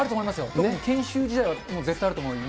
特に研修時代は絶対あると思います。